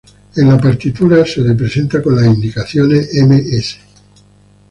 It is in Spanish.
En la partitura se representa con las indicaciones "m.s.